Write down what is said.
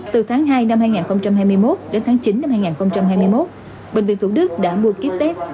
từ tháng hai năm hai nghìn hai mươi một đến tháng chín năm hai nghìn hai mươi một bệnh viện thủ đức đã mua kit test